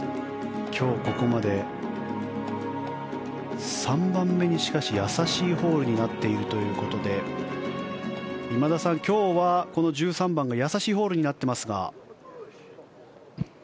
今日ここまで３番目に易しいホールになっているということで今田さん、今日は、１３番が易しいホールになっていますが。